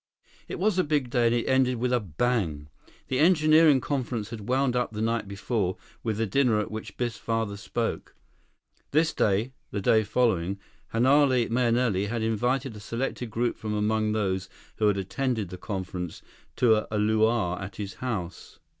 It was a big day, and it ended with a bang. The engineering conference had wound up the night before with the dinner at which Biff's father spoke. This day, the day following, Hanale Mahenili had invited a selected group from among those who had attended the conference to a luau at his house.